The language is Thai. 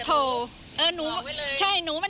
ไม่รู้ใครหลอกใคร